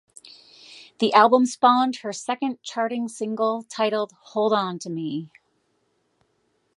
The album spawned her second charting single titled "Hold on to Me".